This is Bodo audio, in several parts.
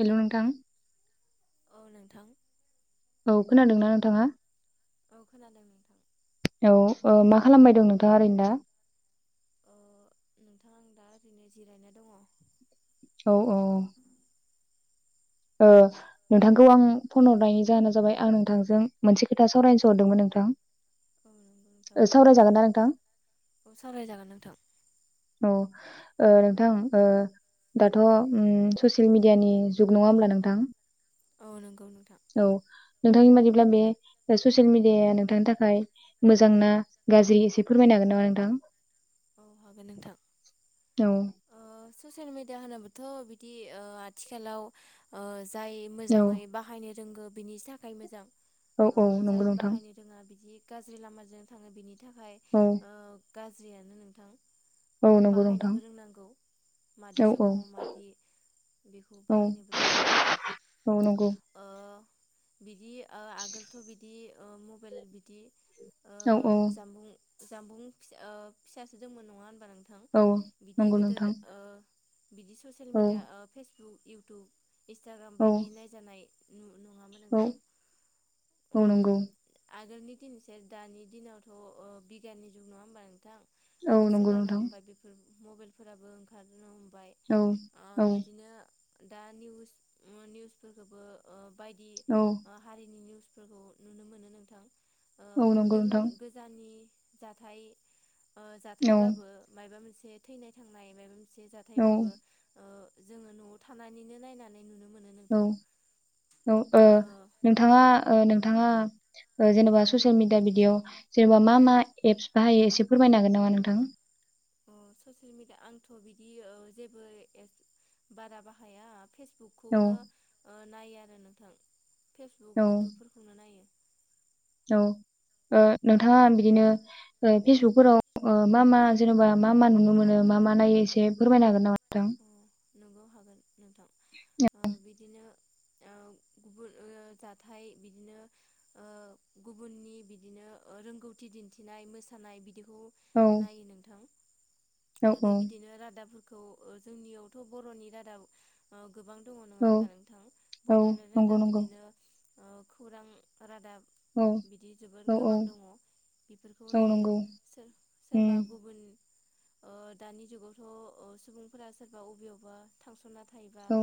हेल' नोंथां औ नोंथां औ खोनादों न नोंथाङा? औ खोनादों नोंथां खालामबायदं नोंथाङा ओरैनो दा? अ नोंथां आं दा ओरैनो जिरायना दङ औ औ अ ओ नोंथांखौ आं फन हरनायनि जाहोना जाबाय आं नोंथांजों मोनसे खोथा सावरायनोसो हरदोंमोन नोंथां ओ सावरायजागोन ना नोंथां सावरायजागोन नोंथां औ ओ नोंथां ओ दाथ' ससिल मिडियानि जुग नङा होमब्ला नोंथां? औ नंगौ नोंथां औ नोंथांनि बादिब्ला बे ससियेल मिडियाया नोंथांनि थाखाय मोजां ना गाज्रि एसे फोरमायनो हागोन नामा नोंथां औ हागोन नोंथां औ ओ ससियेल मेडिया होनोबाथ' बिदि ओ आथिखालाव ओ जाय औ मोजाङै बाहायनो रोंगो बिनि थाखाय मोजां औ ओ औ नंगौ जाय नोंथां बाहायनो रोङा बिदि गाज्रि लामाजों थाङो बिनि थाखाय औ ओ गाज्रियानो नोंथां औ नंगौ नोंथां बाहायनोबो रोंनांग मादि औ औ समाव मादि बेखौ औ बाहायनोबो रोंनांगौ औ नंगौ ओ ओ बिदि ओ आगोलथ' बिदि ओ मबाइल बिदि ओ औ औ जामबुं जामबुं फिसा ओ फिसासो दोंमोन नङा होन‌ औ इ नंगौ गोदोर नोंथां ओ बिदि ससियेल औ मिडिया ओ फेस बुक इउटुब इन्सटाग्राम औ बायदि नायजानाय न नङा औ औ नंगौ आगोलनि दिनसाय दानि दिनावथ' बिगियाननि जुग नङा होमबा नोंथां औ ओ नंगौ सोलायनो नोंथां हमबाय बेफोर मबाइल फोराबो ओंखारनो हम बाय औ ओ औ बिदिनो दा निउस ओ निउसफोरखौबो ओ बायदि औ ओ हारिनि निउस फोरखौ नुनो मोनो नोंथां। ओ औ नंगौ गुबुन नोंथां गोजाननि जाथाय ओ औ जाथायबाबो मायबा मोनसे हे थैनाय थांनायबाय एसे औ जाथायबाबो ओ जोङो न'आव थानानैनो नायनानै नुनो मोन। औ औ ओ नोंथाङा ओ नोंथाङा ओ जेनेबा ससियेल मिडिया बिदियाव जेनेबा मा मा एप्स बाहायो एसे फोरमायनो हागोन नामा नोंथां? अ ससियेल मिडिया आंथ' बिदि जेबो एप्स बारा बाहाया। औ फेसबुकखौनो ओ नायो। आरो नोंथां। औ फेसबुक इउटुबफोरखौनो नायो। औ नोंथाङा ओ बिदिनो ओ फेसबुकफोराव मा मा जेनेबा मा मा नुनो मोनो मा मा नायो एसे फोरमायनो हागोन नामा? दां नोंगौ हागोन नोंथां। औ ओ बिदिनो ओ गुबुन ओ जाथाइ बिदिनो ओ गुबुननि बिदिनो रोंगौथि दिन्थिनाय मोसानाय बिदि खौ औ नायो नोंथां औ आरो औ बिदिनो रादाब खौ। जोंनियावथ' बर'नि रादाब ओ गोबां दङ नङा औ होमबा नोंथां औ बड'लेण्ड नंगौ रादाब नंगौ बिदिनो औ खौरां रादाब औ बिदि जोबोर औ औ गोबां दङ बेफोरखौ औ नायो नंगौ सो-सोरबा उम गुबुन ओ दानि जुगावथ' ओ सुबुं फोर सोरबा अबेआवबा थांस'ना था थायोबा औ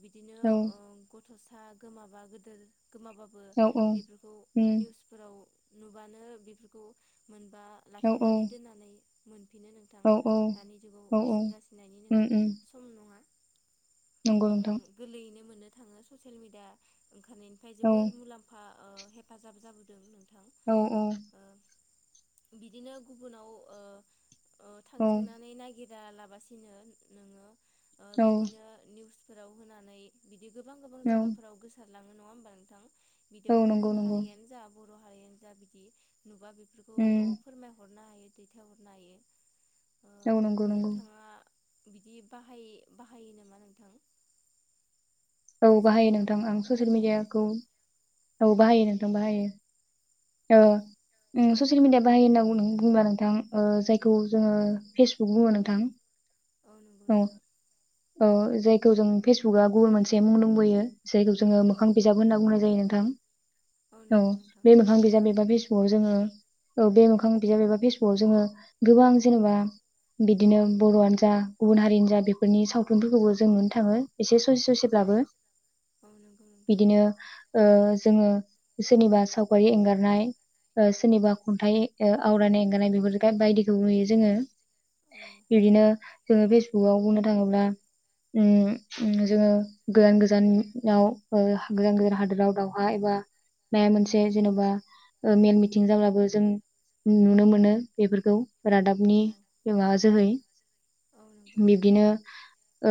बिदिनो औ ओ सा गोमाबा गोदोर गोमाबाबो औ औ बेफोरखौ उम निउसफोराव नुबानो बेफोरखौ मोन बा औ लाखिनानै दोननानै मोन फिनो नोंथां औ दानि जुगाव औ औ जिंगासिनायनि नो उम उम सम नङा। नंगौ उम नोंथां। गोरलैयैनो मोननो थाङो ससियेल मिडिया ओंखारनायनिफ्राय औ जोबोर मुलाम्फा ओ हेफाजाब जाबोदों नोंथां औ औ। ओ बिदिनो गुबुनाव ओ ओ औ थांथिंनानै नागिर रा लाबासिनो नोङो ओ औ बिदिनो निउस फोराव होनानै बिद दि गोबां गोबां औ जागाफोराव गोसार लाङो नङा होमबा नोंथां? औ बिदियाव नंगौ गुबुन नंगौ हारियानो जा बर बर' हारियानो जा बिदि नुबा बेफोरखौ उम ओ फोरमायहर हरनो हायो दैथायहरनो हायो। औ नंगौ ओ नंगौ नोंथाङा बिदि बाहाय बाहायो नामा नोंथां? औ ससियेल बाहायो नोंथां ओं मिडियाफोरखौ ससियेल अ मिडियाखौ औ बाहायो नोंथ ओं बाहायो। औ उम ससियेल मिडिया बाहायो होनां बुंदों ओ बुंब्ला नोंथां ओ जायखौ जोङो फेसबुक बुङो नोंथां नंगौ औ नोंथां ओ जायखौ जों फेसबुकआ गुबुन मोनसे जे मुं दंबोयो जायखौ जोङो औ मोखां बिजाब होनना बुंनाय जायो। ओं औ नंगौ नोंथां बे मोखां बिजाब एबा बिस औ जोङो ओ बे मोखां बिजाब एबा फेसबुकव जोङो गोबां जेनेबा बिदिनो बर'आनो जा गुबुन हारिनो जा बेफोरनि सावथुनफोरखौबो जों मोननो थाङो एसे ससे ससेब ब्लाबो औ नंगौ नोंथां बिदिनो ओ जोङो सोरनिबा सावगारि एंगारनाय ओ सोरनिबा खन्थाइ ओ आवरायनाय एंगारनाय बेफोर बायदिखौ नुयो जोङो औ बिबदिनो जोङो फेसबुकाव बुंनो थाङोब्ला उम उम जोङो गोजान गोजानाव ओ गोजान गोजान हादोराव दावहा एबा बा मोनसे जेन'बा ओ मेल मिथिं जाब्लाबो नुनो मोनो बेफोरखौ रादाबनि औ माबा जोहै औ नंगौ नोंथां बिब्दिनो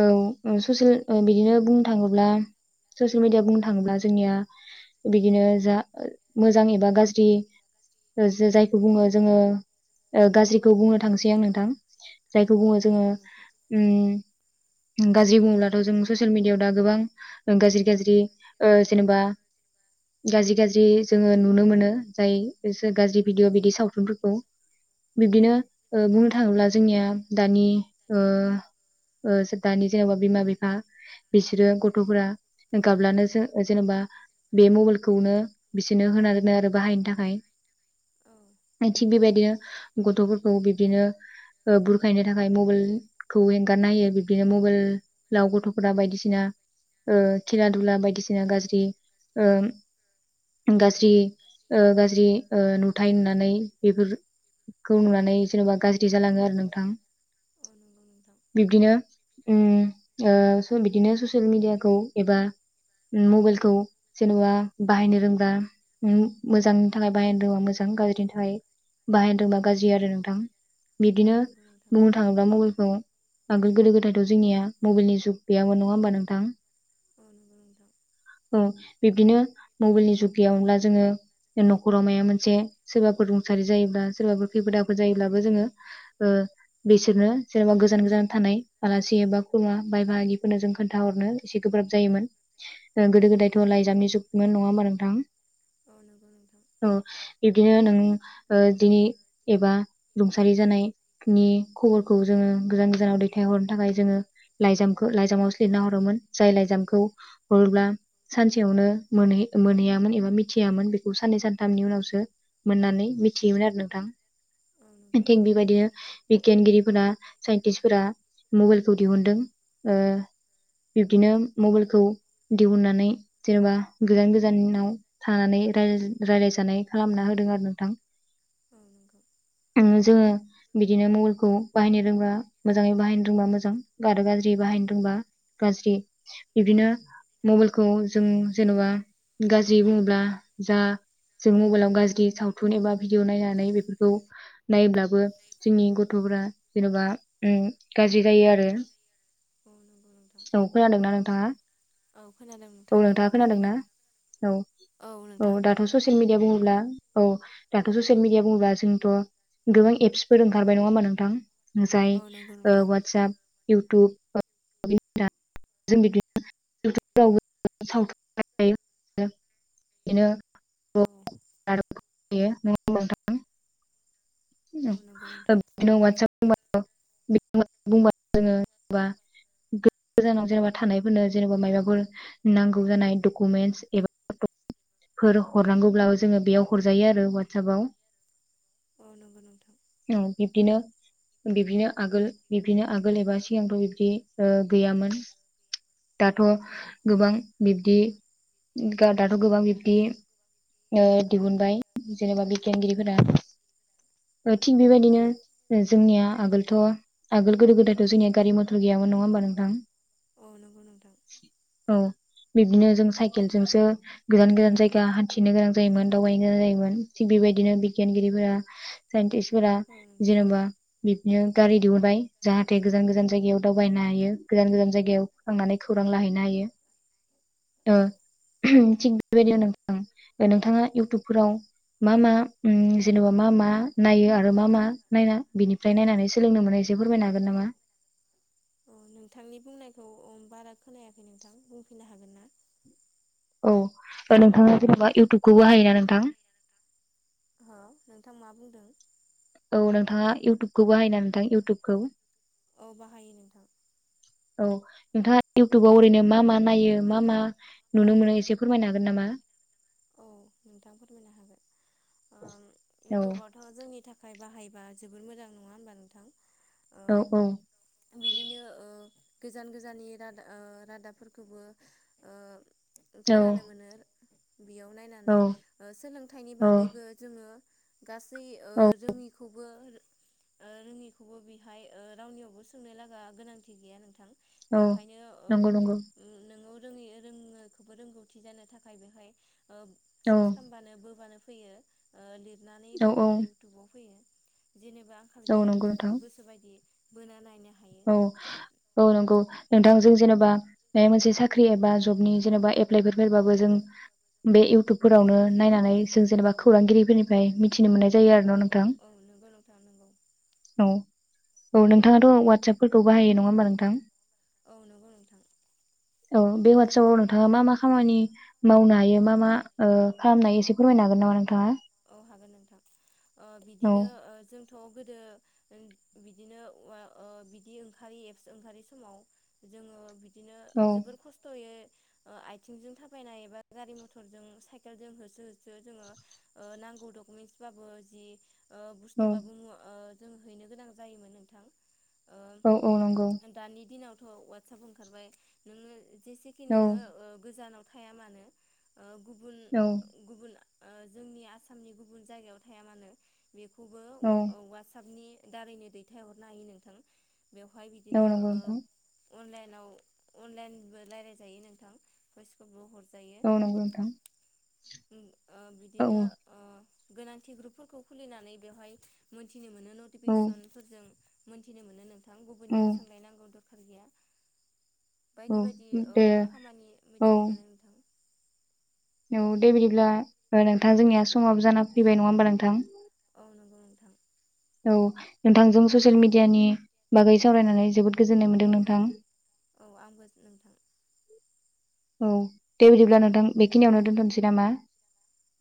औ ओं सुसिल ओ बिदिनो बुं। बुंनो थाङोब्ला ससिेल मिडियाआव बुंनो थाङोब्ला जोंनिया बिदिनो जा मोजां एबा गाज्रि जायखौ बुङो जोङो गाज्रिखौ बुंनो थांसै आं नो। थां औ जायखौ बुङो जोङो बुं नोंथां उम। गाज्रि बुङोब्लाथ' जों ससियेल मिडिया। ओ गोबां गाज्रि गाज्रि ओ जेनेबा गाज्रि गाज्रि जोङो नुनो मोनो जाय गाज्रि भिडअ बिदि सावथुन। फोरखौ औ बिबदिनो ओ बुंनो। बुंनो थाङोब्ला जोंनिया दानि ओ ओ दानि जेन'बा बिमा बिफा। बिसोरो गथ'फोरा गाब्लानो जों जेनेबा बे मबाइलखौनो बिसोरनो होना दोनो आरो बाहायनो थाखाय औ थिग बेबायदिनो गथ'फोरखौ बिब्दिनो ओ बुरखायनो थाखाय मबाइलखौ एंगारना होयो बिबदिनो मबाइलाव गथ'फोरा बायदिसिना। दा ओ खेला दुला बायदिसिना गाज्रि ओ गाज्रि ओ गाज्रि ओ नुथाय नुनानै बेफोरखौ नुनानै जेनेबा गाज्रि जालाङो आरो नोंथां। औ नंगौ नोंथां बिब्दिनो। उम ओ स। बिदिनो ससियेल मिेडियाखौ एबा मबाइलखौ जेनेबा बाहायनो रोंबा मोजांनि थाखाय बाहायनो रोंबा मोजां गाज्रिनि थाखाय बाहायनो रोंबा गाज्रि आरो नोंथां। औ बिदिनो नंगौ नोंथां बुंनो थाङोब्ला मबाइलखौ। आगोल गोदो गोदायथ' जोंनिया मबाइलनि जुग। गैयामोन नङा होमबा नोंथां। अ नंगौ नोंथां। औ बिबदिनो मबेलनि जुग गैयामोनब्ला जोङो न'खराव माया मोनसे सोरबाफोर रुंसारि जायोब्ला सोरबाफोर खैफोद आफोद जायोब्लाबो जोङो ओ बेसोरनो सोरबा गोजान गोजान थानाय आलासि बा खुरमा बाइ बाहागि। नो जों खोन्थाहरनो एसे गोब्राब जायोमोन। गोदो गोदायथ' लाइजामनि जुग। मोनो नङा होमबा नोंथां? औ नंगौ औ नंगौ नोंथां [unintelligible] बिदिनो नों दिनै एबा रुंसारि जानायनि खबरखौ जोङो गोजान गोजानाव दैथायहरनो थाखाय जोङो लाइजामखौ लाइजामावसो लिरना हरोमोन जाय लाइजामखौ हरोब्ला सानसेयावनो मोनहै मोनहैयामोन एबा मिथियामोन बेखौ साननै सानथामनि उनावसो मोननानै मिथियोमोन आरो नोंथां। औ नंगौ थिग बेबायदिनो। बिगियानगिरिफोरा साइन्टिस्टफोरा मबाइलखौ दिहुनदों। ओ बिब्दिनो मबाइलखौ दिहुननानै जेनेबा गोजान गोजानाव थानानै रायलायजानाय खालामना होदों आरो नोंथां। औ नंगौ औ [unintelligible] जोङो बिदिनो मबाइलखौ बाहायनो रोंबा मोजाङै बाहायनो रोंबा मोजां आरो गाज्रि ज्रि बाहायनो रोंबा गाज्रि बिदिनो मबाइलखौ जों जेन'बा गाज्रि बुङोब्ला जा जों मबाइलाव गाज्रि सावथुन एबा भिडिअ नायनानै बेफोरखौ नाय्लाबो जोंनि गथ'फोरा जेन'बा उम गाज्रि जायो आरो। औ नंगौ नोंथां। औ खोनादोंना नोंथाङा? खोनादों औ नोंथां नंगौ नोंथाङा थारैनो खोनादोंना औ औ दाथ' ससियेल मिडिया बुङोब्ला औ दाथ' ससियेल मिडिया बुङोब्ला जोंथ' गोबां एप्सफोर ओंखारबाय नङा हामा नोंथां? औ नंगौ जाय नोंथां वाटसाप इउ टुब। [unintelligible] [unintelligible] औ दयो नों नोंथां औ नंगौ [unintelligible] नोंथां बुंबा जोङो जेनबा गोजानाव जेनेबा थानायफोरनो जेनेबा मबाफोर नांगौ जानाय डकुमेन्टस एबा फोर हरनांगौब्ला जोङो बेयाव हरजायो आरो औ नंगौ नोंथां वाटसपआव औ बिब्दिनो बिब्दिनो आगोल बिब्दिनो आगोल एबा सिगांथ' बिब्दि ओ गैयामोन दाथ' औ गोबां बिब्दि दाथ' गोबां बिब बिदि ओ दिहुनबाय जेनेबा बिगियानगिरिफोरा थिग बेबायदिनो औ जोंनिया आगोलथ' आगोल गोदो गोदायथ' जोंनिया गारि मथर गैयामोन नङा होमबा नोंथां? औ नंगौ नोंथां औ बिब्दिनो जों साइकेल जोंसो गोजान गोजान जायगा हान्थिनो गोनां जायोमोन दावबायनो गोनां जायोमोन थिग बेबायदिनो बिगियानगिरिफोरा साइन्टिस फोरा औ नोंथां जेनेबा बि नो गारि दिहुनबाय जाहाथे गोजान गोजान जायगायाव दावबायनो हायो। गोजान गोजान जायगायाव थांनानै खौरां लाहैनो हायो ओ औ थिग बेबायदिनो औ नोंथाङा इउटुबफोराव मा मा जेनेबा मा मा नायो आरो मा मा नायना बिनिफ्राय नायनानै सोलोंनो मोनो एसे फोरमायनो हागोन नामा? अ नोंथांनि बुंनायखौ ओ बारा खोनायाखै नोंथां बुंफैनो हागोन ना? औ नोंथाङा जेन'बा इउटुबखौ बाहायो ना नोंथां? हो नोंथां मा बुंदों? औ नोंथाङा इउटुबखौ बाहायना नोंथां इउटुबखौ? औ बाहायो नोंथां औ नोंथाङा इउटुबाव ओरैनो मा-मा नायो मा-मा नुनो मोनो एसे फोरमायनो हागोन नामा? औ नोंथां फोरमायनो हागोन ओं औ इउटुबावथ' जोंनि थाखाय बाहायबा जोबोर मोजां नङा होनबा नोंथां औ औ ओ बिनिनो ओ गोजान गोजाननि रादा ओ रादाबफोरखोबो ओ औ खोनानो मोनो बेयाव नायनानै औ ओ सोलोंथाइनि औ बागैबो जोंङो गासै ओ औ रोङिखौबो रो ओ रोङिखौबो बेहाय रावनियावबो सोंनो लागा गोनांथि गैया नोंथां औ बेवहायनो ओ नंगौ नंगौ ओम नोङो रोङै रोङैखोबो रोंगौथि जानो थाखाय बेहाय ओ औ सार्च खालामबानो बोबानो फैयो ओ लिर नानै औ बोबानो इउटुबाव फैयो जेनेबा आंखाल औ गैया नंगौ नोंथां इउटुबाव गोसो बायदि बोना नायनो हायो औ औ नंगौ नोंथां जों जेनेबा बेहाय मोनसे साख्रि एबा जबनि जेनेबा एप्लाइफोर फैबाबो जों बे औ इउटुबफोरावनो नायनानै जों जेनेबा खौरांगिरिफोरनिफ्राय मिथिनो मोननाय जायो आरो नं औ नंगौ नोंथां नंगौ औ औ नोंथाङाथ' वाट साबफोरखौ बाहायो नङा होमबा नोंथां? औ नंगौ नोंथां औ बे वाटसापाव नोंथाङा मा मा खामानि मावनो हायो मा मा ओ खालामनो हायो एसे फोरमायनो हागोन नामा नोंथाङा औ हागोन नोंथां ओ औ बिदिनो ओ जों थ' गोदो ओं बिदिनो वा ओ बिदि ओंखारि एफस ओंखारि समाव जोङो बिद दिनो औ ओ जोबोर खस्थ'यै ओ आइथिंजों थाबायनाय एबा गारि मथरजों साइकेलजों होसो होसो जोङो ओ नांगौ डकुमेन्टस बाबो जि ओ औ बुस्थु बा मुवा ओ जों हैनो गोनां जायोमोन नोंथां औ-औ नंगौ थ' वाटसाप ओंखारबाय नोंङो जेसेखि औ नोङो ओ गोजानाव खाया मानो गुबुन औ गुबुन जोंनि आसामनि गुबुन जायगायाव थाया मानो बेखौबो औ अ ओ साबनि दारैनो दैथायहरनो हायो नोंथां बेवहाय औ बिदिनो नंगौ ओ नोंथां अनलाइनाव अनलाइनबो रायलायजायो नोंथां गसखौबो हर औ नंगौ नोंथां ओं औ औ गोनांथि ग्रुपफोरखौ खुलिनानै बेवहाय मोनसे फिनो मोनो औ नटिफिकेसनफोरजों मोनथिनो मोनो नोंथां थां औ गुबुनयाव सोंलाय नांगौ द खार गैया औ बायदि बायदि ओ दे खामानि मिथिनो मोनो नोंथां न दे बिदिब्ला ओ नोंथां जोंनिया समाबो जाना फैबाय नङा होमबा नोंथां औ नंगौ नोंथां औ नोंथांजों ससियेल मिडियानि बागै सावरायनानै जोबोद गोजोननाय मोन्दों नोंथां। औ आंबो नोंथां। औ दे बिदिब्ला नोंथां बेखिनियावनो दोनथनोसै नामा।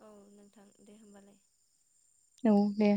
औ नोंथां दे होमबालाय। औ दे।